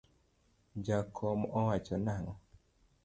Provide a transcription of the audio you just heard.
Jakom owacho nangó?